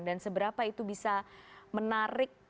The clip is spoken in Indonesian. dan seberapa itu bisa menarik